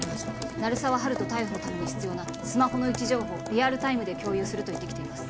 鳴沢温人逮捕のために必要なスマホの位置情報をリアルタイムで共有すると言ってきています